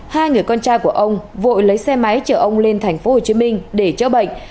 hai người con trai của ông vội lấy xe máy chở ông lên tp hcm để chữa bệnh